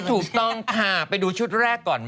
ถูกต้องค่ะไปดูชุดแรกก่อน